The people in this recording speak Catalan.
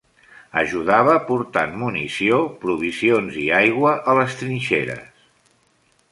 Ajudava portant munició, provisions i aigua a les trinxeres.